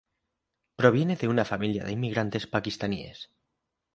Proviene de una familia de inmigrantes paquistaníes.